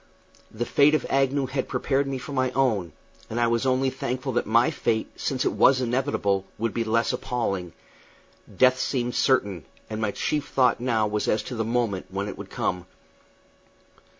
The fate of Agnew had prepared me for my own, and I was only thankful that my fate, since it was inevitable, would be less appalling. Death seemed certain, and my chief thought now was as to the moment when it would come.